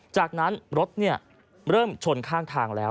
จากนั้นรถเริ่มชนข้างทางแล้ว